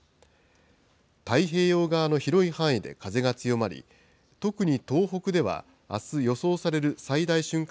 太平洋側の広い範囲で風が強まり、特に東北ではあす予想される最大瞬間